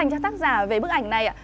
cho tác giả về bức ảnh này